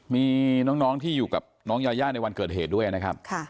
มีน้องที่อยู่กับน้องยายาในวันเกิดเหตุด้วยนะครับ